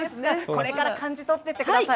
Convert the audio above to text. これから感じ取ってください。